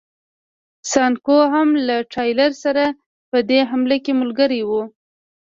سانکو هم له ټایلر سره په دې حمله کې ملګری و.